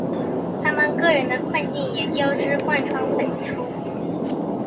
他们个人的困境也交织贯穿本书。